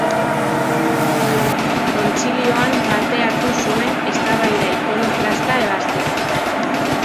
Kontzilioan parte hartu zuen, eztabaida ikonoklasta ebazteko.